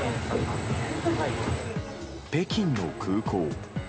北京の空港。